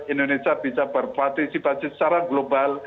indonesia bisa berpartisipasi secara global